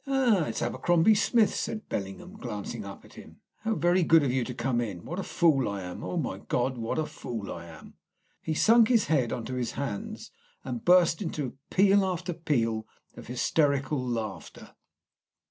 "Ah, it's Abercrombie Smith," said Bellingham, glancing up at him. "How very good of you to come in! What a fool I am! Oh, my God, what a fool I am!" He sunk his head on to his hands, and burst into peal after peal of hysterical laughter.